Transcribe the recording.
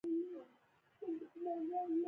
خولۍ د دیني مجالسو لپاره مناسبه ده.